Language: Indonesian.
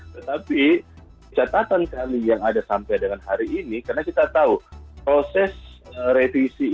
tetapi catatan kami yang ada sampai dengan hari ini karena kita tahu proses revisi